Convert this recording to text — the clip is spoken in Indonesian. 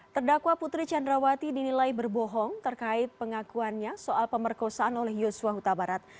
terdakwa putri candrawati dinilai berbohong terkait pengakuannya soal pemerkosaan oleh yosua huta barat